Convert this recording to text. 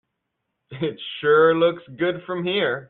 It sure looks good from here.